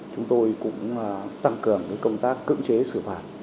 chúng tôi cũng tăng cường công tác cưỡng chế xử phạt